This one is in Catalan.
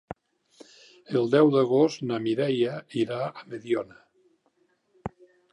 El deu d'agost na Mireia irà a Mediona.